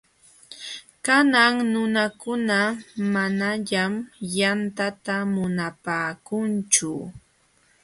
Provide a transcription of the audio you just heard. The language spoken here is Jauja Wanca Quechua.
Kanan nunakuna manañam yantata munapaakunchu.